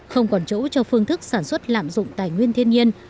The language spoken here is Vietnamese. không còn chỗ cho phương thức sản xuất lạm dụng tài nguyên thiên nhiên